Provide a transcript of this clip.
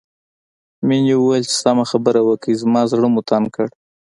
مينې وويل چې سمه خبره وکړئ زما زړه مو تنګ کړ